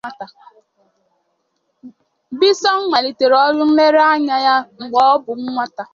Bissong malitere ọrụ nlere anya ya mgbe ọ bụ nwata.